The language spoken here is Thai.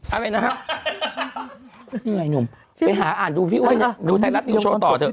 อะไรนะฮะเหนื่อยหนุ่มไปหาอ่านดูพี่อ้วนดูไทยรัฐนิวโชว์ต่อเถอ